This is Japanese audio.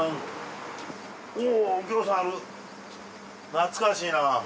懐かしいな。